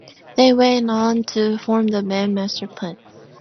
They went on to form the band Masterplan.